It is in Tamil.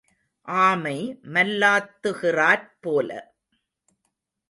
ஆமை மல்லாத்துகிறாற் போல.